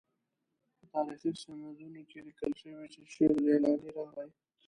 په تاریخي سندونو کې لیکل شوي چې شیخ جیلاني راغی.